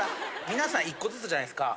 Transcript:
皆さん１個ずつじゃないですか。